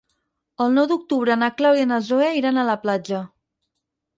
El nou d'octubre na Clàudia i na Zoè iran a la platja.